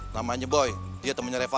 namanya boy dia temannya reva